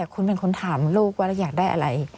คุณเป็นคนถามลูกว่าเราอยากได้อะไร